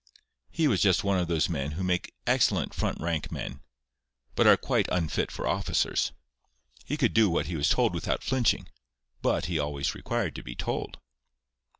He was just one of those men who make excellent front rank men, but are quite unfit for officers. He could do what he was told without flinching, but he always required to be told.